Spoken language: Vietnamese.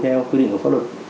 theo quy định của pháp luật